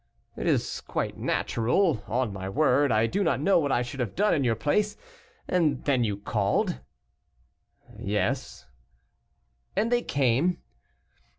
"It is quite natural; on my word, I do not know what I should have done in your place. And then you called?" "Yes." "And they came?"